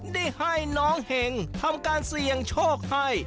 ได้ให้น้องเห็งทำการเสี่ยงโชคให้